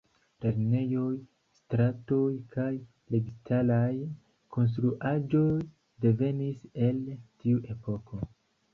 Lernejoj, stratoj kaj registaraj konstruaĵoj devenis el tiu epoko.